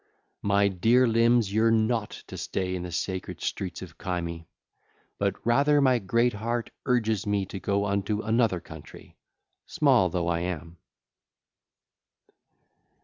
My dear limbs yearn not to stay in the sacred streets of Cyme, but rather my great heart urges me to go unto another country, small though I am.